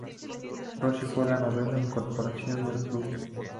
Rossi fue la novena incorporación del Club.